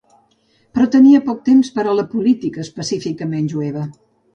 Però tenia poc temps per a la política específicament jueva.